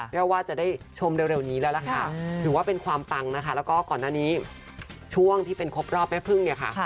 เรียกว่าจะได้ชมเร็วนี้แล้วล่ะค่ะถือว่าเป็นความปังนะคะแล้วก็ก่อนหน้านี้ช่วงที่เป็นครบรอบแม่พึ่งเนี่ยค่ะ